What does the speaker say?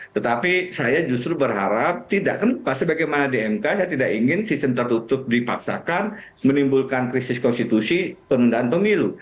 tetapi saya justru berharap tidak kenapa sebagaimana di mk saya tidak ingin sistem tertutup dipaksakan menimbulkan krisis konstitusi penundaan pemilu